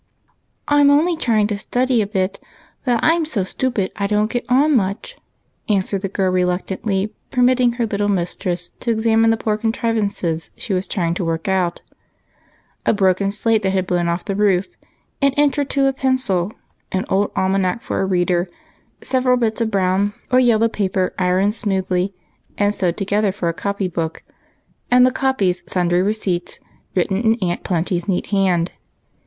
" I 'm only trying to study a bit ; but I 'm so stupid I don't get on much," answered the girl reluctantly, permitting her little mistress to examine the poor contrivances she was trying to work with. SOMETHING TO DO. 255 A broken slate that had blown off the roof, an inch or two of pencil, an old almanac for a reader, several bits of brown or yellow paper ironed smoothly and sewed together for a copy book, and the copies sundry receipts written in Aunt Plenty's neat hand.